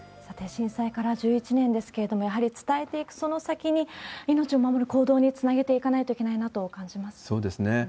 さて、震災から１１年ですけれども、やはり伝えていくその先に、命を守る行動につなげていかないといけないなと感じますね。